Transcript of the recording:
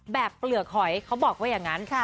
เปลือกหอยเขาบอกว่าอย่างนั้น